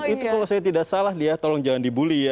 itu kalau saya tidak salah dia tolong jangan dibully ya